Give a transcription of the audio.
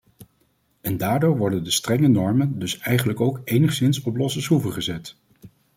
En daardoor worden de strengere normen dus eigenlijk ook enigszins op losse schroeven gezet.